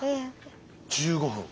１５分。